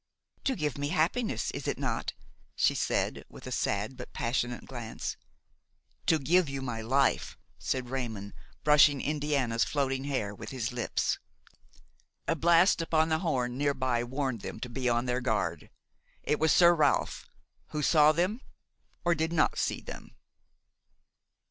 "To give me happiness, is it not?" she said, with a sad but passionate glance. "To give you my life," said Raymon, brushing Indiana's floating hair with his lips. A blast upon the horn near by warned them to be on their guard; it was Sir Ralph, who saw them or did not see them.